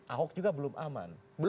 ahok juga belum aman